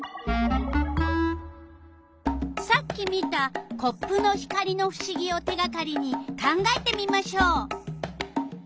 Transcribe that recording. さっき見たコップの光のふしぎを手がかりに考えてみましょう。